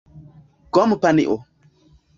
kompanio